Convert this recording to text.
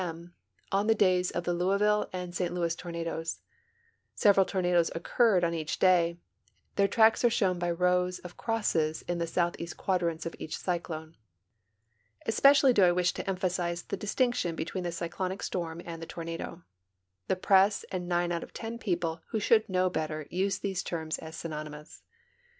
m. on the days of the Louisville and St Louis tornadoes. Several tornadoes occurred on each day; their tracks are shown by rows of crosses in the southeast quadrants of each cyclone. Especially do I wish to emphasize the distinction between the cyclonic storm and the tornado. The press and nine out of ten people who should know better use these terms as sjmon^nnous.